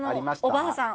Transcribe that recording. おばあさん。